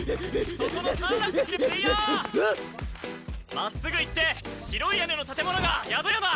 ⁉まっすぐ行って白い屋根の建物が宿屋だ！